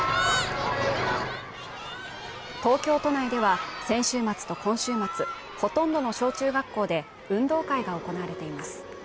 東京都内では先週末と今週末、ほとんどの小中学校で運動会が行われています。